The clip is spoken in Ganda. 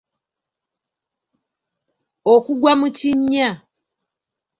okugwa mu kinnya